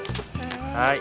はい。